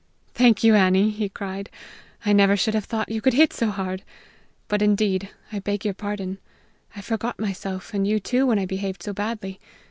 "Thank you, Annie!" he cried. "I never should have thought you could hit so hard. But, indeed, I beg your pardon. I forgot myself and you too when I behaved so badly.